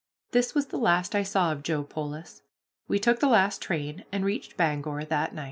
This was the last that I saw of Joe Polis. We took the last train, and reached Bangor that night.